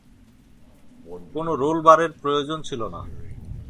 কোনো রোলবারের প্রয়োজন ছিল না।